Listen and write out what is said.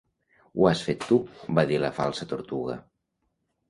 "Ho has fet tu", va dir la Falsa Tortuga.